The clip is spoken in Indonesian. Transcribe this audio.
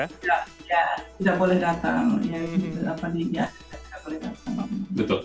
tidak boleh datang